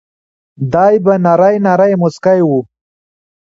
دای به نری نری مسکی و.